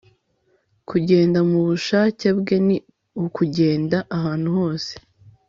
kugenda mubushake bwe ni ukugenda ahantu hose - c s lewis